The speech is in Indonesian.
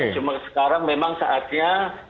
cuma sekarang memang saatnya